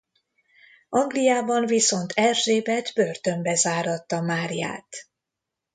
Angliában viszont Erzsébet börtönbe záratta Máriát.